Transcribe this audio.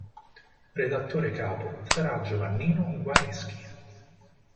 Redattore capo sarà Giovannino Guareschi.